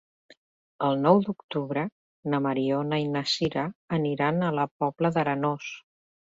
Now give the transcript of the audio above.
El nou d'octubre na Mariona i na Sira aniran a la Pobla d'Arenós.